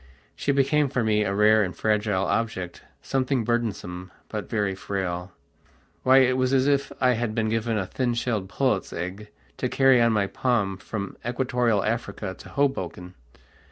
She became for me a rare and fragile object, something burdensome, but very frail. Why it was as if I had been given a thin shelled pullet's egg to carry on my palm from Equatorial Africa to Hoboken.